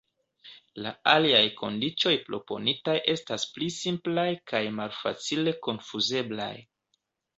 La aliaj kondiĉoj proponitaj estas pli simplaj kaj malfacile konfuzeblaj.